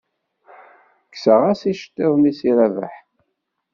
Kkseɣ-as iceḍḍiḍen-nnes i Rabaḥ.